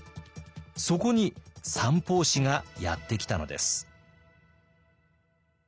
そこに三法師がやってきたのです。